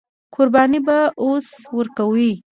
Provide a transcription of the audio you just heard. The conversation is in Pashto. قرباني به اوس ورکوي.